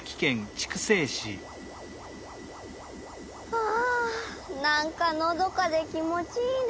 はあなんかのどかできもちいいね。